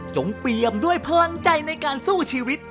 เปรียมด้วยพลังใจในการสู้ชีวิต